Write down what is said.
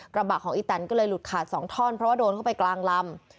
กระบะของอีแตนก็เลยหลุดขาด๒ท่อนเพราะว่าโดนเข้าไปกลางลำ